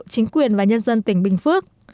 chính quyền và nhân dân tỉnh bình phước